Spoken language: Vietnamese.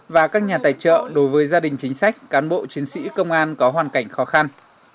và các nhà tài trợ đối với gia đình chính sách cán bộ chiến sĩ công an có hoàn cảnh khó khăn